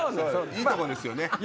いいとこですよね。